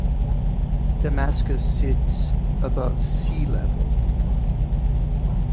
Damascus sits above sea-level.